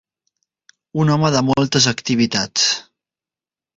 Un home de moltes activitats.